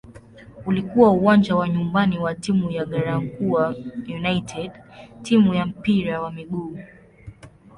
Ulikuwa uwanja wa nyumbani wa timu ya "Garankuwa United" timu ya mpira wa miguu.